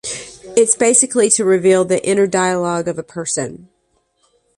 It’s basically to reveal the inner dialog of a person.